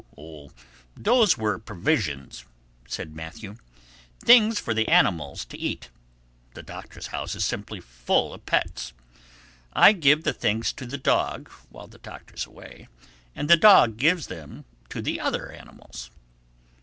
"Oh, those were provisions," said Matthew—"things for the animals to eat. The Doctor's house is simply full of pets. I give the things to the dog, while the Doctor's away, and the dog gives them to the other animals."